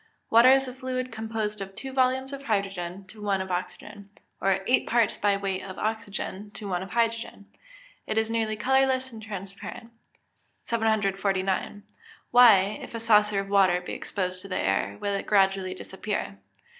_ Water is a fluid composed of two volumes of hydrogen to one of oxygen, or eight parts by weight of oxygen to one of hydrogen. It is nearly colourless and transparent. 749. _Why, if a saucer of water be exposed to the air, will it gradually disappear?